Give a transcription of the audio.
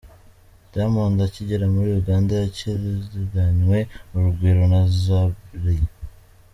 Diamond akigera muri Uganda yakiranywe urugwiro na Zari.